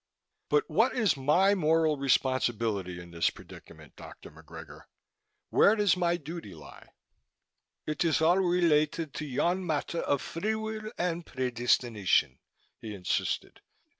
"But what is my moral responsibility in this predicament, Dr. McGregor? Where does my duty lie?" "It is all related to yon matter of free will and predestination," he insisted.